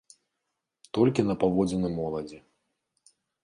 Толькі на паводзіны моладзі.